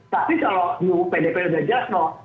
tapi kalau di ruu pdp sudah jelas